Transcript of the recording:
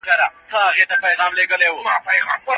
ولس د کرونا په نوم د پیسو د مصرف په اړه اندېښمن دی.